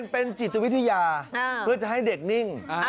เป็นจิตวิทยาเพื่อจะให้เด็กนิ่ง